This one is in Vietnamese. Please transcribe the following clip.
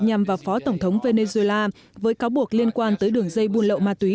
nhằm vào phó tổng thống venezuela với cáo buộc liên quan tới đường dây buôn lậu ma túy